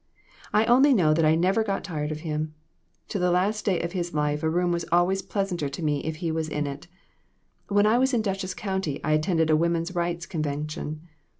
I only know that I never got tired of him. To the last day of his life a room was always pleasanter to me if he was in it. When I was in Dutchess County I attended a woman's rights convention.